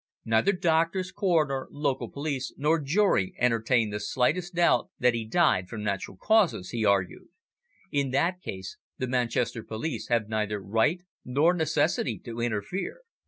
Neither doctors, coroner, local police nor jury entertain the slightest doubt that he died from natural causes," he argued. "In that case the Manchester police have neither right nor necessity to interfere."